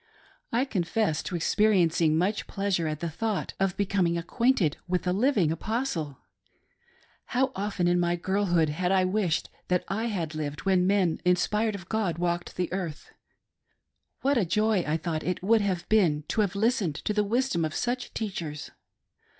I confess to experiencing much pleasure at the thought of becoming acquainted with a living Apostle. How often in my girlhood I had wished that I had lived when men inspired of God walked the earth. What a joy, I thought, it would have been to, have listened to the wisdom of such teachers.